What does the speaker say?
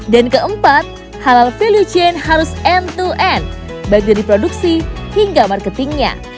dan keempat halal value chain harus end to end baik dari produksi hingga marketingnya